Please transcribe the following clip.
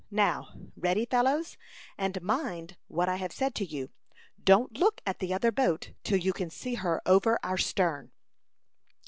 Now, ready, fellows, and mind what I have said to you. Don't look at the other boat till you can see her over our stern."